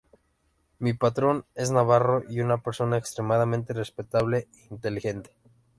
Mi patrón es navarro y una persona extremadamente respetable e inteligente.